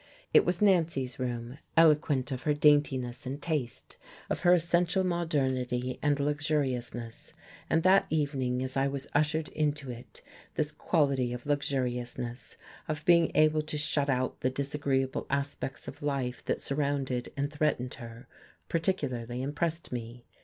It was Nancy's room, eloquent of her daintiness and taste, of her essential modernity and luxuriousness; and that evening, as I was ushered into it, this quality of luxuriousness, of being able to shut out the disagreeable aspects of life that surrounded and threatened her, particularly impressed me.